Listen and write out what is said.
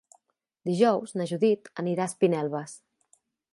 Dijous na Judit anirà a Espinelves.